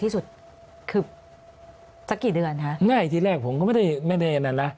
สักกี่เดือนฮะง่ายทีแรกผมก็ไม่ได้เห็นนั่นนะ